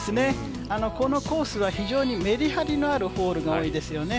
このコースは非常にメリハリのあるホールが多いですよね。